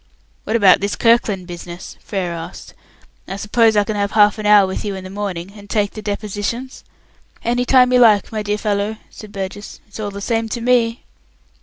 "What about this Kirkland business?" Frere asked. "I suppose I can have half an hour with you in the morning, and take the depositions?" "Any time you like, my dear fellow," said Burgess. "It's all the same to me."